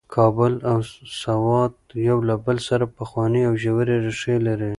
کابل او سوات یو له بل سره پخوانۍ او ژورې ریښې لري.